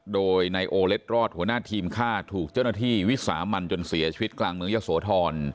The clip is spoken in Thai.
โดยนายโอเล็ดรอดหัวหน้าทีมฆ่าถูกเจ้าหน้าที่วิสามันจนเสียชีวิตกลางเมืองยะโสธร